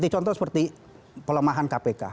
contoh seperti pelemahan kpk